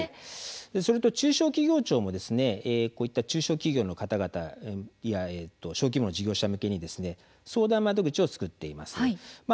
中小企業庁も中小企業の方々や小規模の事業者向けに相談窓口を作っています。